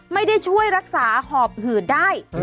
ไม่ได้ช่วยรักษาหอบหืดได้